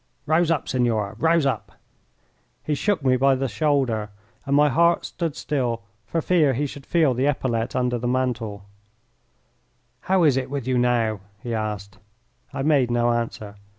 Rouse up, signora, rouse up!" He shook me by the shoulder, and my heart stood still for fear he should feel the epaulet under the mantle. "How is it with you now?" he asked. I made no answer.